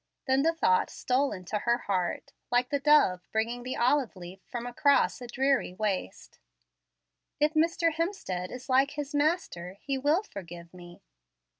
Then the thought stole into her heart, like the dove bringing the "olive leaf" from across a dreary waste, "If Mr. Hemstead is like his Master he will forgive me."